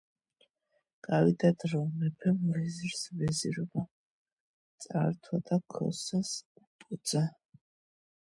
გავიდა დრო; მეფემ ვეზირს ვეზირობა წაართვა და ქოსას უბოძა.